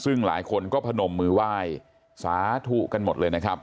ซึ่งหลายคนก็พนมมือไหว้สาธุกันหมดเลยนะครับ